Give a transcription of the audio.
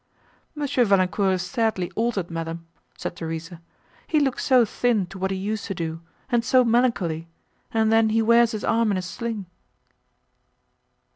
"M. Valancourt is sadly altered! madam," said Theresa; "he looks so thin to what he used to do, and so melancholy, and then he wears his arm in a sling."